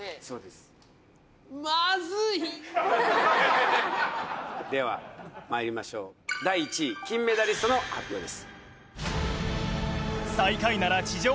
そうですではまいりましょう第１位金メダリストの発表です